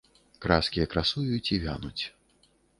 Краскі красуюць і вянуць.